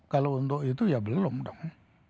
kalau untuk itu ya belum dong